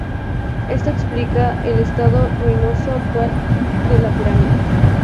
Esto explica el estado ruinoso actual de la pirámide.